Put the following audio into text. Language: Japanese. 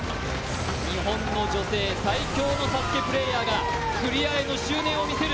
日本の女性最強のＳＡＳＵＫＥプレーヤーがクリアへの執念を見せる。